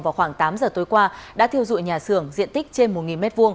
vào khoảng tám giờ tối qua đã thiêu dụi nhà xưởng diện tích trên một m hai